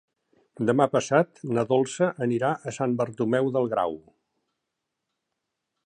Demà passat na Dolça anirà a Sant Bartomeu del Grau.